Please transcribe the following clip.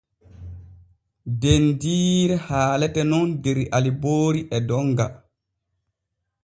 Dendiire haalete nun der Aliboori e Donga.